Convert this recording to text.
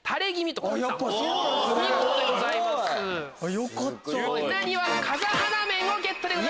よかった。